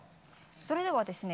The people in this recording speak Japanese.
それではですね